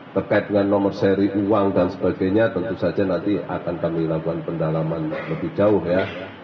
terkait dengan nomor seri uang dan sebagainya tentu saja nanti akan kami lakukan pendalaman lebih jauh ya